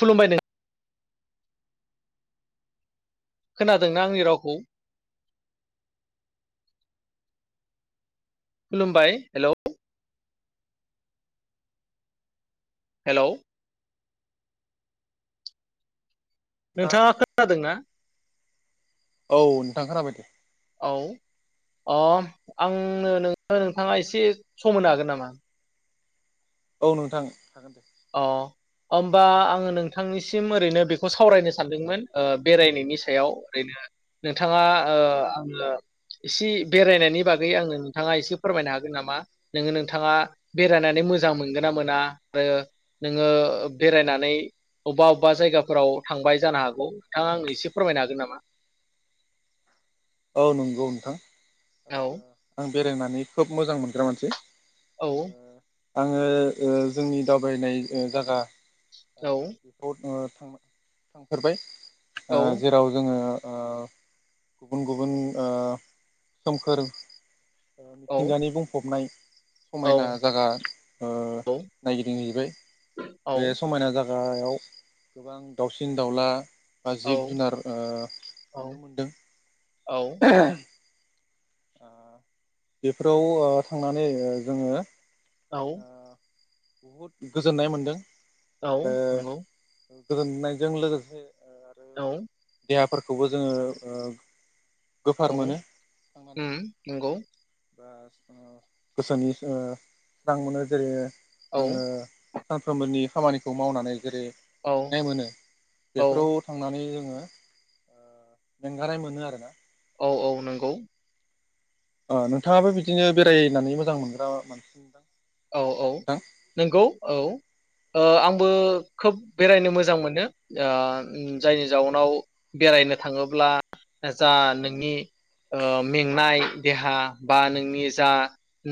खुलुमबाय नोंथां खोनादोंना आंनि रावखौ खुलुमबाय हेलौ हेलौ नोंथां नोंथाङा खोनादोंना औ नोंथां खोनाबाय दे औ अ आंनो नो नोंथाङा एसे सम होनो हागोन नामा औ नोंथां हागोन दे अ होमबा आंङो नोंथांनिसिम ओरैनो बेखौ सावरायनो सानदोंमोन ओ बेरायनायनि सायाव ओरैनो नोंथाङा ओ आंङो एसे बेरायनायनि बागै आंङो नोंथाङा एसे फोरमायनो हागोन नामा नोंङो नोंथाङा बेरायनानै मोजां मोनगोन ना मोना आरो नोंङो बेरायनानै अबेबा अबेबा जायगाफोराव थांबाय जानो हागौ बिथाङा आं एसे फोरमायनो हागोन नामा औ नंगौ नोंथां ओ औ आं बेरायनानै खोब मोजां मोनग्रा मानसि औ आंङो ओ जोंनि दावबायनाय जायगा औ [unintelligible] थांफेरबाय औ ओ जेराव जोंङो आ गुबुन गुबुन ओ सोमखोर औ मिथिंगानि बुं फबनाय समायना औ जायगा ओ नायगिदिंहैबाय औ बे समायना जागा [unintelligible] गोबां दाउसिन दाउला बा जिब जुनार ओ नुनो मोनदों औ ओ बेफोराव थांनानै जोंङो औ बहुद गोजोननाय मोनदों औ आरो नंगौ गोजोननायजों लोगोसे औ खौबो जोङो ओ गोफार औ मोनो थांनानै ओम नंगौ [unintelligible] गोसोनि ओ स्रां मोनो जेरै ओ औ जोङो सानफ्रोमबोनि खामानिखौ मावनानै जेरै औ मेंनाय मोनो औ बेफोराव थांनानै आङो ओ मेंगानाय मोनो आरोना औ औ नंगौ अ नोंथाङाबो बिदिनो बेरायनानै मोजां मोनग्रा मानसि मोनदां औ औ नंगौ औ ओ आंबो खोब बेरायनो मोजां मोनो ओ जायनि जाउनाव बेरायनो थाङोब्ला जा नोंनि ओ मेंनाय देहा बा नोंनि जा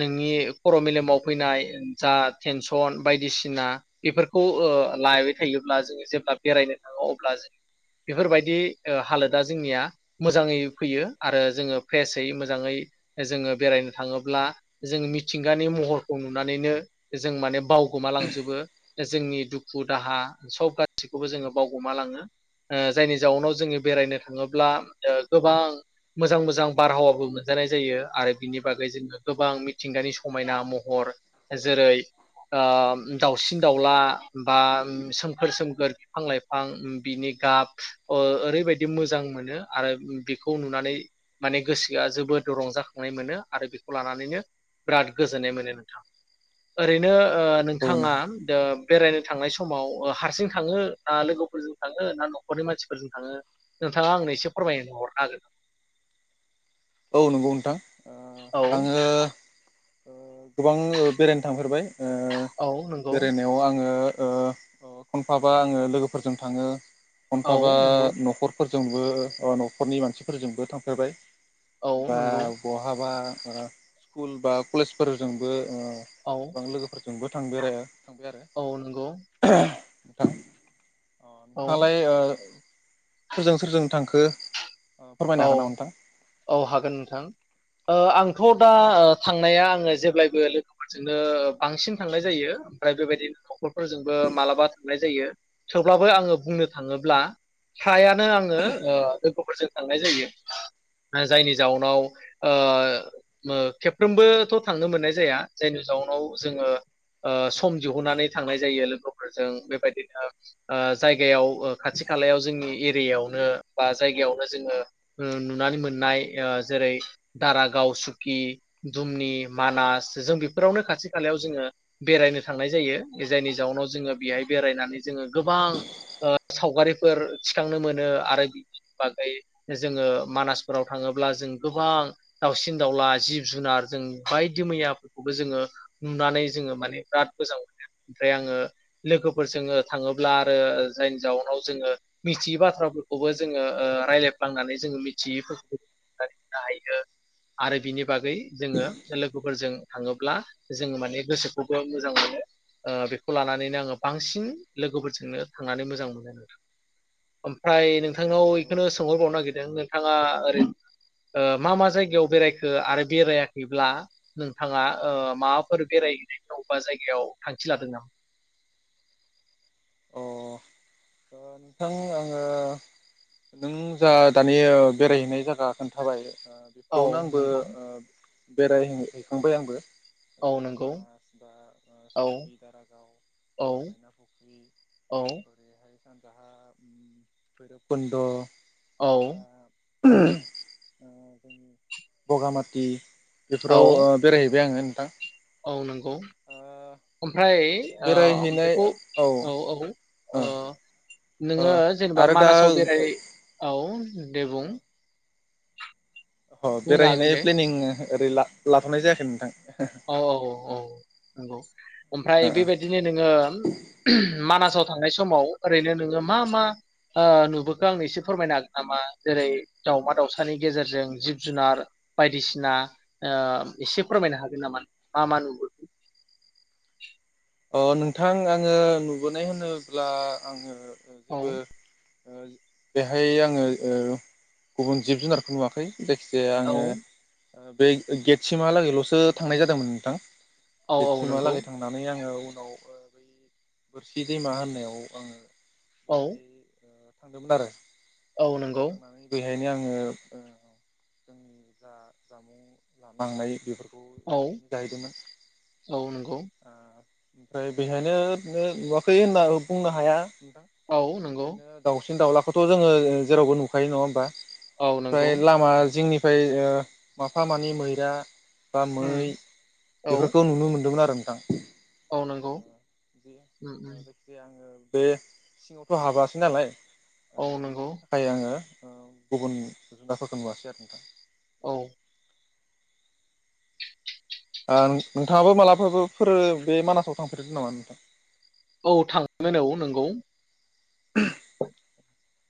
नोंनि खर मेलेमाव फैनाय जा टेनसन बायदिसिना बेफोरखौ ओ लायबाय थायोब्ला जोङो जेब्ला बेरायनो थाङो अब्ला जों बेफोरबायदि हालोदा जोंनिया मोजाङै फैयो आरो जोङो फ्रेसयै मोजाङै जोङो बेरायनो थाङोब्ला जों मिथिंगानि महर खौ नुनानैनो जों माने बाव गमालांजोबो जोंनि दुखु दाहा सब गासिखौबो जोङो बावगोमा लाङो ओ जायनि जाउनाव जोङो बेरायनो थाङोब्ला ओ गोबां मोजां मोजां बारहावाबो मोनजानाय जायो आरो बिनि बागै जोङो गोबां मिथिंगानि समायना महर हर जेरै ओ दावसिन दाउला बा सोमखोर सोमखोर बिफां लाइफां बिनि गाब ओ ओरैबायदि मोजां मोनो आरो बेखौ नुनानै माने गोसोआ जोबोद रंजाखांनाय मोनो आरो बेखौ लानानैनो बिराद गोजोननाय मोनो ओरैनो ओ औ नोंथाङा नंगौ दो बेरायनो थांनाय समाव हारसिं थाङो ना लोगोफोरजों थाङो ना नखरनि मानसिफोरजों थाङो नोंथाङा आंनो एसे फोरमाय हरनो हागोन औ नंगौ नोंथां ओ आङो गोबां ओ बेरायनो थांफेरबाय ओ औ नंगौ बेरायनायाव आङो ओ खनफाबा आङो लोगोफोरजों थाङो औ खनफाबा नंगौ नखफोर जोंबो नखरनि मानसिफोरजोंबो थांफेरबाय औ बा नंगौ बहाबा ओ स्कुल बा कलेजफोरजोंबो ओ औ गोबां लोगोफोरजोंबो थांबाय थांबाय आरो औ नंगौ [unintelligible] नोंथां अ औ [unintelligible] ओ सोरजों सोरजों थांखो फोरमायनो औ हागोन नामा नोंथां औ हागोन नोंथां ओ आंथ दा थांनाया आंङो जेब्लायबो लोगोफोरजोंनो बांसिन थांनाय जायो ओमफ्राय बेबायदिनो स्कुलफोरजोंबो मालाबा थांनाय जायो थेवब्लाबो आंङो बुंनो थाङोब्ला फ्रायानो आंङो ओ लोगोफोरजों थांनाय जायो जायनि जाउनाव ओखेबफ्रोमबोथ थांनो मोननाय जाया जायनि जाउनाव जोंङो ओ सम दिहुननानै थांनाय जायो लोगोफोरजों बेबायदिनो जायगायाव खाथि खालायाव जोंनि एरियायावनो बा जायगायावनो जोंङो ओ नुनानै मोननाय जेरै दारागाव सुकि दुमनि मानास जों बेफोरावनो खाथि खालायाव जोंङो बेरायनो थांनाय जायो जायनि जाउनाव जोंङो बेहाय बेरायनानै जोंङो गोबां सावगारिफोर थिखांनो मोनो आरो बिनि बागै जोंङो मानासफोराव थांङोब्ला जों गोबां दावसिन दाउला जिब जुनार जों बायदि मैयाफोरखौबो जोंङो नुनानै जोंङो माने बिराद मोजां मोनो ओमफ्राय आंङो लोगोफोरजों थांङोब्ला आरो जायनि जाउनाव जोङो मिथियै बाथ्राफोरखौबो जोंङो रायज्लायलांनानै जोंङो मिथियैफोरखौनो हायो आरो बिनि बागै जोंङो लोगोफोरजों थांङोब्ला जोंङो माने गोसोखौबो मोजां मोनो बेखौ लानानैनो आंङो बांसिन लोगोफोरजोंनो थांनानै मोजां मोनो आरो ओमफ्राय नों नोंथांनाव बेखौनो सोंहरबावनो नागिरदों जों [unintelligible] नोंथाङा ओरै मा मा जायगायाव बेरायखो आरो बेरायाखैब्ला नोंथाङा माबाफोर बेरायहैनाय अबेबा जायगायाव थांखि लादों नामा अ नोंथां आंङो नों जा दानि बेरायहैनाय जायगा खोन्थाबाय औ बेयावनो आंबो नंगौ बेराय हैखांबाय आंबो [unintelligible] औ नंगौ औ औ औ [unintelligible] नोंथांया भौरकन्द औ [unintelligible] [unintelligible] जोंनि बगामाति औ बेफोराव बेरायहैबाय आंङो ना औ नंगौ ओमफ्राय ओ बेरायहैनाय बेखौ ओ औ औ ओ नोंङो जेनेबा आरो दा अ मानासाव बेराय औ दे बुं अ बुंनो हागोन बेरायहैनाय दे प्लेनिं ओरै ला लांनाय जायाखै नोंथां औ औ औ औ नंगौ ओमफ्राय ओ ओ बेबायदिनो नोंङो मानासाव थांनाय समाव ओरैनो नोंङो मा मा नुबोखो आं एसे फोरमायनो हागोन नामा जेरै दाउमा दाउसानि गेजेरजों जिब जुनार बायदिसिना एसे फोरमायनो हागोन मान मा मान अ नोंथां आंङो नुबोनाय होनोब्ला आंङो औ जेबो बेहाय आङो ओ गुबुन जिब जुनारखौ नुवाखै जायखिजा औ आङो बे गेटसिमहालागैलसो थांनाय जादोंमोन नोंथां औ गेट औ सिमा नंगौ लागै थांनानै आङो बै बोरसि दैमा होननायाव आङो औ बेहाय थांदोंमोन आरो औ नंगौ बेखायनो आङो जोंनि जा जामुं लानांनाय बेफोरखौ औ बेहायनो जाहैदोंमोन औ नंगौ ओ ओमफ्राय बेहायनो नुवाखै होनना बुंनो हाया औ नंगौ ओरैनो दाउसिन दाउलाखौ फथ' जोङो जेरावबो नुखायो नङा होमबा औ नंगौ बेनिफ्राय लामा जिंनि ओमफ्राय माफा मानै मैरा बा मै उम औ बेफोरखौ नुनो मोन्दोंमोन आरो नोंथां औ नंगौ [unintelligible] उम उम बे सिङावथ' हाबाखै नालाय औ नंगौ थाखाय आङो गुबुन जुनारफोरखौ नुवासै आरो नोंथां औ नोंथाङाबो मालाबाफोरो बे मानासाव थांफेरदो नामा नोंथां औ थांगोन औ नंगौ [inaudible]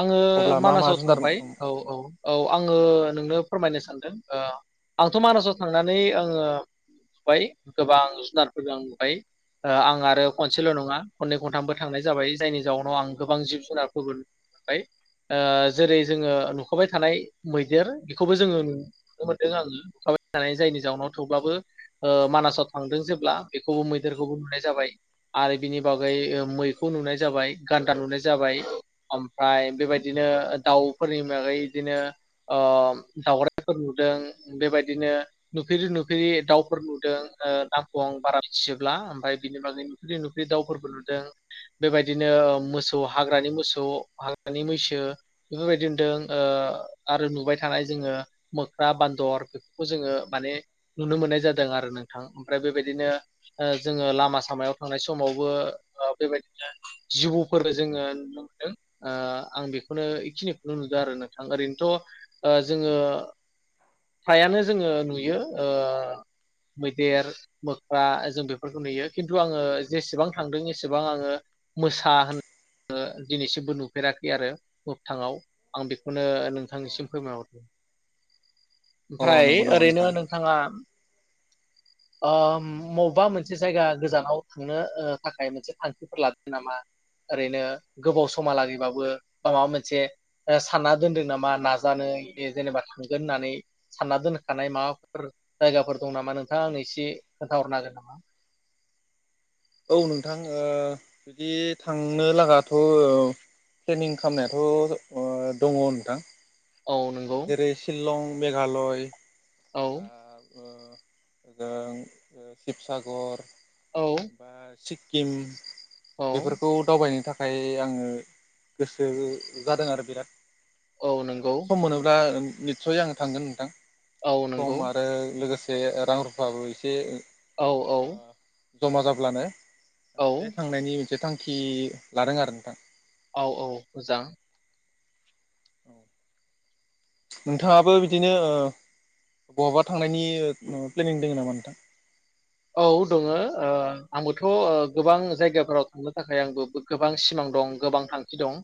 आङो अब्ला मा मा मानासाव जुनार थांबाय औ औ औ आङो नोंनो फोरमायनो सान आंथ' मानासाव थांनानै आङो नुबाय गोबां जुनारफोरदों आं नुबाय आं आरो खनसेल' नङा खननै खनथामबो थांनाय जाबाय जायनि जाउनाव आं गोबां जिब जुनार फोरबो जेरै जोङो नुखाबाय थानाय मैदेर बेखौबो जोङो नुनो मोनदों आङो नुखाबाय थानाय जायनि जाउनाव थेवब्लाबो मानासाव थांदों जेब्ला बेखौबो मैदेरखौबो नुनाय जाबाय आरो बिनि बागै मैखौ नुनाय जाबाय गान्दा नुनाय जाबाय ओमफ्राय बेबायदिनो दाउफोरनि बागै बिदिनो दाउरायइफोरबो नुदों बेबायदिनो नुफेरै नुफेरै दाउफोर नुदों नामखौ आं बारा मिथिजोबला ओमफ्राय बिनि बागै नुफेरै नुफेरै दाउफोरबो नुदों बेबायदिनो मोसौ हाग्रानि मोसौ हाग्रानि मैसो बेफोरबायदि नुदों आरो नुबाय थानाय जोङो मोख्रा बान्दर बेफोरखौ जोङो माने नुनो मोननाय जादों आरो नोंथां ओमफ्राय बेबायदिनो जोङो औ लामा सामायाव थांनाय समावबो बेबायदिनो जिबौफोर जोङो नुनो मोनदों आं बेखौनो बेखिनिखौनो नुदों आरो नोंथां ओरैनोथ' जोङो फ्रायानो जोङो नुयो मैदेर मोख्रा जों बेफोरखौ नुयो खिन्थु आङो जेसेबां थांदों एसेबां आङो मोसा होननानै दिनैसिमबो नु थफेराखै आरो मोगथांङाव आं बेखौनो नोंथांनिसिम फोरमायहरदों औ अ ओमफ्राय नंगौ नामा ओरैनो नोंथां नोंथाङा ओ बबेबा मोनसे जायगा गोजानाव थांनो थाखाय मोनसे थांखिफोर लादों नामा ओरैनो गोबाव समा लागै बा माबा मोनसे सानना दोनदों नामा नाजानो जेनेबा थांगोन होननानै सानना दोनखानाय माबाफोर जायगाफोर दं नामा नोंथाङा आंनो एसे खोन्थाहरनो हागोन नामा औ नोंथां बिदि थांनो लागाथ' प्लेनिं खालामनायाथ' दङ नोंथां औ नंगौ जेरै शिलं मेघालय औ बा जों शिबसागर औ बास सिक्किम औ बेफोरखौ दावबायनो था थाखाय आङो गोसो जादों आरो बिराद । औ नंगौ । होनोब्ला निस्सय आं थांगोन नोंथां । औ नंगौ सम आरो लोगोसे बे रां रुफाबो एसे औ औ। जमा जाब्लानो ओ औ बे थांनायनि मोनसे थांख खि लादों आरो नोंथां। औ औ मोजां। औ नोंथाङाबो बिदिनो ओ बहाबा थांनायनि ओ प्लेनिं दङ नामा नोंथां? औ दङो ओ आंबोथ' ओ गोबां जायगाफोराव थांनो थाखाय आंबो बो-गोबां सिमां दं गोबां थांखि दं ।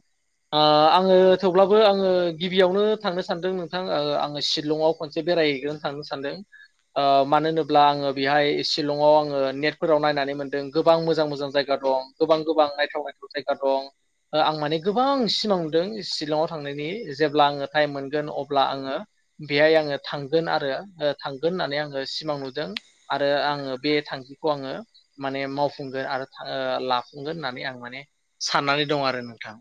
ओ आङो थेवब्लाबो आङो गिबियावनो थांनो सानदों नोंथां । ओ आङो शिलंआव खनसे बेरायहैग्रोनो थांनो सानदों ओ मानो होनोब्ला आङो बेहाय शिलंआव आङो नेटफोराव नायनानै मोनदों गोबां मोजां मोजां जायगा दं । गोबां गोबां नायथाव नायथाव जायगा दं। आं माने गोबां सिमां नुदों शिलंआव थांनायनि जेब्ला आङो टाइम मोनगोन अब्ला आङो बेहाय आङो थांगोन आरो थांगोन होननानै आङो सिमां नुदों । आर रो आङो बे थांखिखौ आङो माने मावफुंगोन आरो था ओ लाफुंगोन होननानै आं माने साननानै दं आरो नोंथां।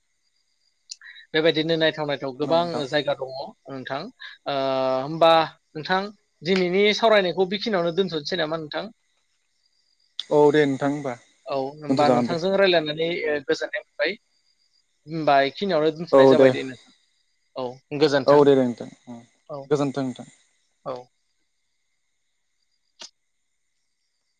अ बेबायदिनो नायथाव नाय नंगौ नामा गोबां नोंथां जायगा दङ। नोंथां ओ होमबा नोंथां दिनैनि सावरायनायखौ बेखिनियावनो दोनथ' सै नामा नोंथां? औ दे नोंथां होमबा औ होनबा दोनथ' जागोन दे नोंथांजों रायलायनानै ओ गोजोननाय बाय ओमबाय खिनियावनो दोनथ'नाय जाबाय दे नोंथां। औ औ गोजोन्थों दे दे नोंथां औ गोजोन्थों नोंथां। औ।